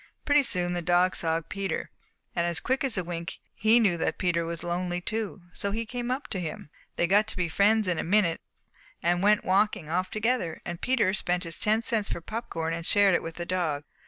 Pretty soon the dog saw Peter, and quick as a wink he knew that Peter was lonely too, so he came up to him. They got to be friends in a minute and went walking off together, and Peter spent his ten cents for popcorn and shared it with the dog.